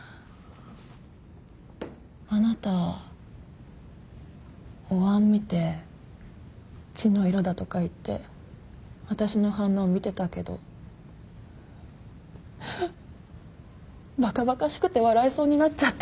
あなたおわん見て血の色だとか言って私の反応見てたけどバカバカしくて笑いそうになっちゃった。